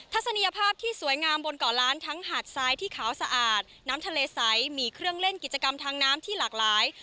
ศนียภาพที่สวยงามบนเกาะล้านทั้งหาดทรายที่ขาวสะอาดน้ำทะเลใสมีเครื่องเล่นกิจกรรมทางน้ำที่หลากหลาย